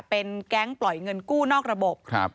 เป็นแก๊งปล่อยเงินกู้นอกระบบ